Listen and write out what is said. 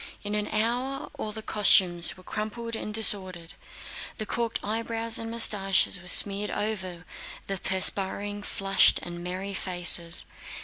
In an hour, all the costumes were crumpled and disordered. The corked eyebrows and mustaches were smeared over the perspiring, flushed, and merry faces.